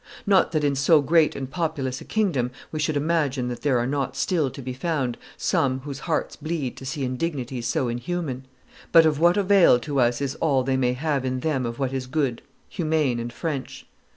Not that in so great and populous a kingdom we should imagine that there are not still to be found some whose hearts bleed to see indignities so inhuman; but of what avail to us is all they may have in them of what is good, humane, and French?